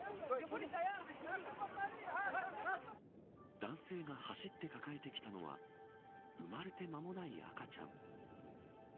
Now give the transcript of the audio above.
男性が走って抱えてきたのは生まれて間もない赤ちゃん。